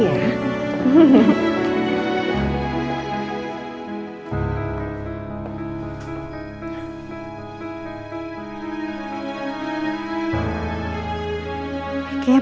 kalo papa udah sampe rumah